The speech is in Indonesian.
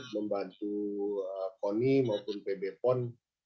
membantu koni maupun pb pon